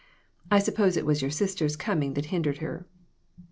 I suppose it was your sister's coming that hindered her."